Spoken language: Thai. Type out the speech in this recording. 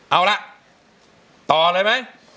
เอาละต่อเลยมั้ย